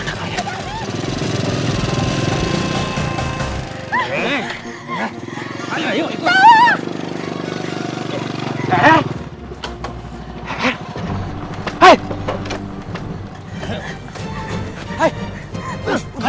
udah kenapa kan dia